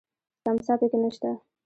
تمساح پکې نه شته .